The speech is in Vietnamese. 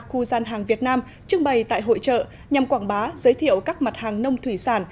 khu gian hàng việt nam trưng bày tại hội trợ nhằm quảng bá giới thiệu các mặt hàng nông thủy sản